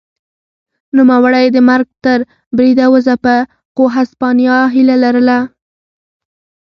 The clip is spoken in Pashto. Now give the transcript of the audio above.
نوموړی یې د مرګ تر بریده وځپه خو هسپانیا هیله لرله.